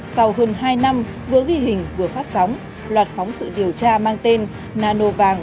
sau hơn hai năm vừa ghi hình vừa phát sóng loạt phóng sự điều tra mang tên nano vàng